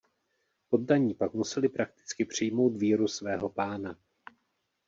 Poddaní pak museli prakticky přijmout víru svého pána.